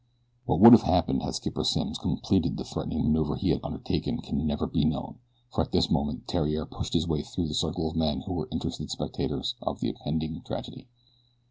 What would have happened had Skipper Simms completed the threatening maneuver he had undertaken can never be known, for at this moment Theriere pushed his way through the circle of men who were interested spectators of the impending tragedy.